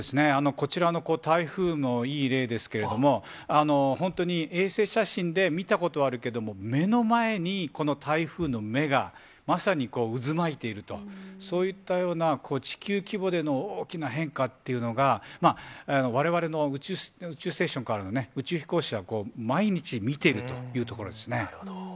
こちらの台風もいい例ですけれども、本当に衛星写真で見たことはあるけれども、目の前にこの台風の目が、まさに渦巻いていると、そういったような、地球規模での大きな変化っていうのが、われわれの宇宙ステーションからね、宇宙飛行士はなるほど。